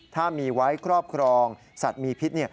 ถ้ามีไว้ครอบครองสัตว์มีพิษ